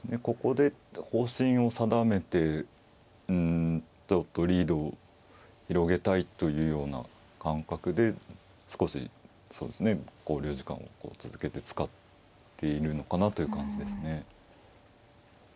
ここで方針を定めてもっとリードを広げたいというような感覚で少し考慮時間を続けて使っているのかなという感じですね。